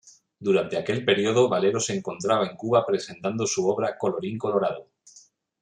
Durante aquel periodo Valero se encontraba en Cuba presentando su obra "Colorín colorado...